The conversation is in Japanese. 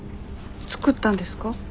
作ったんですか？